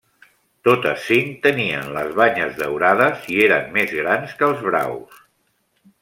Totes cinc tenien les banyes daurades i eren més grans que els braus.